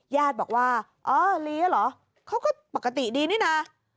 ญาติบอกว่าอ๋อลีเหรอเขาก็ปกติดีนี่นะ